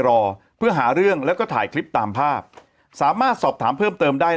รอเพื่อหาเรื่องแล้วก็ถ่ายคลิปตามภาพสามารถสอบถามเพิ่มเติมได้